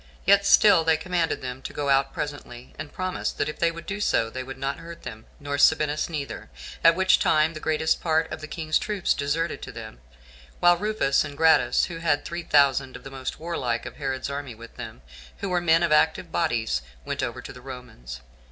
Yet still they commanded them to go out presently, and promised, that if they would do so, they would not hurt them, nor Sabinus neither; at which time the greatest part of the king's troops deserted to them, while Rufus and Gratus, who had three thousand of the most warlike of Herod's army with them, who were men of active bodies, went over to the Romans.